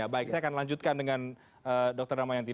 baik saya akan lanjutkan dengan dr damayanti